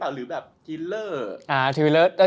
หรือแบบทีลเลอร์